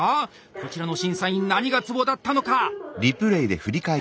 こちらの審査員何がツボだったのか？